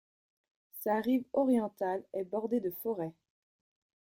Sa rive orientale est bordée de forêts.